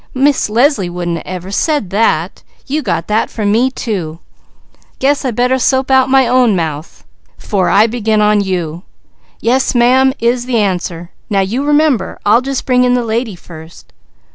Miss Leslie wouldn't ever said that! You got that from me, too! I guess I better soap out my mouth 'fore I begin on you. 'Yes ma'am,' is the answer. Now you remember! I'll just bring in the lady first."